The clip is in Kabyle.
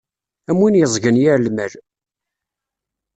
Am win yeẓgen yir lmal.